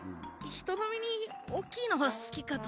人並みにおっきいのは好きかと。